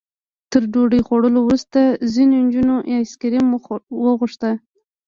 تر ډوډۍ خوړلو وروسته ځینو نجونو ایس کریم وغوښت.